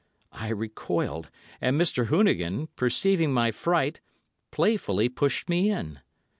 I recoiled, and Mr. Hoonigan, perceiving my fright, playfully pushed me in.